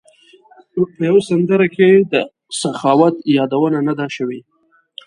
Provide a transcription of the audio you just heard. په یوه سندره کې د سخاوت یادونه نه ده شوې.